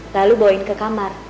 lalu bawain ke kamar